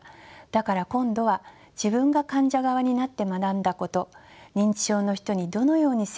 だから今度は自分が患者側になって学んだこと認知症の人にどのように接したらよいか。